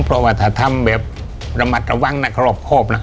เพราะว่าถ้าทำแบบระมัดระวังนะครอบนะ